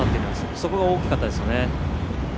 そこが大きかったですね。